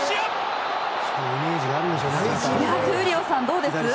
どうですか？